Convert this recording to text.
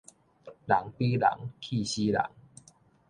人比人，氣死人